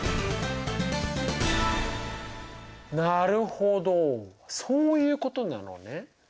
なるほどそういうことなのね。